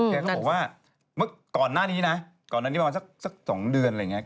แกก็บอกว่าเมื่อก่อนหน้านี้นะก่อนหน้านี้ประมาณสัก๒เดือนอะไรอย่างนี้